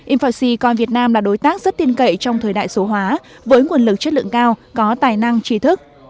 infoci coi việt nam là đối tác rất tin cậy trong thời đại số hóa với nguồn lực chất lượng cao có tài năng trí thức